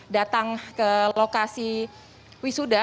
datang ke lokasi wisuda